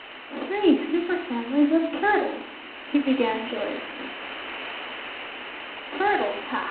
"Three superfamilies of turtles," he began joyously. "Turtles! Ha!